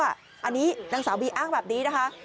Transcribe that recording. อันนี้นางสาวบีอ้างแบบนี้นะคะ